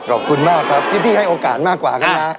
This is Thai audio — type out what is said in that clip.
ขอบคุณมากครับพี่ให้โอกาสมากกว่ากันนะ